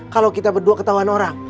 kalau kita berdua ketahuan orang